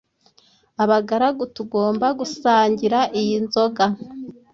abagaragu tugomba gusangira iyi nzoga"